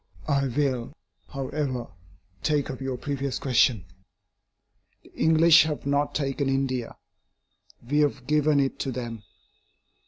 I will, however, take up your previous question. The English have not taken India; we have given it to them.